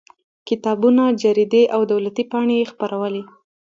کتابونه جریدې او دولتي پاڼې یې خپرولې.